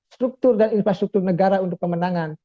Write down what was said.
struktur dan infrastruktur negara untuk pemenangan